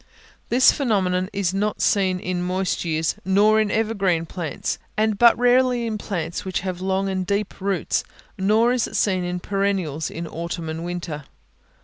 This phenomenon is not seen in moist years, nor in evergreen plants, and but rarely in plants which have long and deep roots, nor is it seen in perennials in autumn and winter.